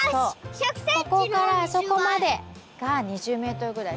ここからあそこまでが２０ｍぐらい。